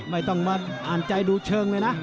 ไม่ต้องมาอ่านใจดูเชิงเลยนะ